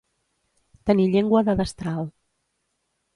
Tenir llengua de destral.